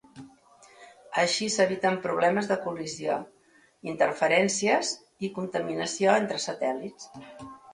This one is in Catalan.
Així s'eviten problemes de col·lisió, interferències i contaminació entre satèl·lits.